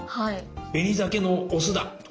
ベニザケのオスだとか。